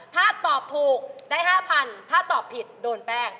ถ้าตอบถูกได้๕๐๐ถ้าตอบผิดโดนแป้ง